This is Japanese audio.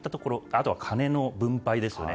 あとは金の分配ですよね。